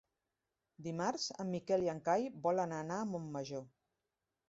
Dimarts en Miquel i en Cai volen anar a Montmajor.